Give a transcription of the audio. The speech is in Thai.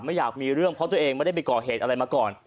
ไม่อยากมีเรื่องเพราะตัวเองไม่ได้ไปก่อเหตุอะไรมาก่อน